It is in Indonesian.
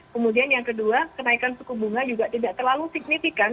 kemudian yang kedua kenaikan suku bunga juga tidak terlalu signifikan